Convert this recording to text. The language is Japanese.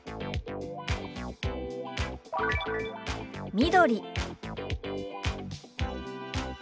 「緑」。